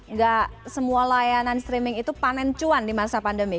nggak semua layanan streaming itu panen cuan di masa pandemi